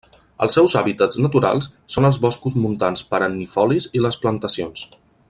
Els seus hàbitats naturals són els boscos montans perennifolis i les plantacions.